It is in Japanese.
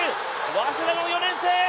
早稲田の４年生。